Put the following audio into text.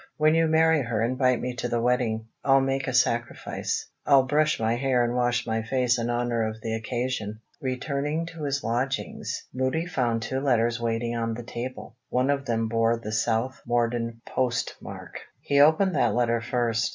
When you marry her invite me to the wedding. I'll make a sacrifice; I'll brush my hair and wash my face in honor of the occasion." Returning to his lodgings, Moody found two letters waiting on the table. One of them bore the South Morden postmark. He opened that letter first.